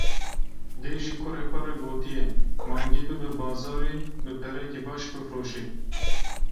Dê ji kurê xwe re gotiye: Mangê bibe bazarê, bi perekî baş bifroşe.